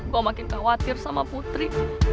gue makin khawatir sama putri